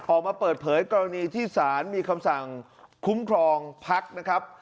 ออกมาเปิดเผยกรณีที่สารมีคำสั่งคุ้มครองพักนะครับ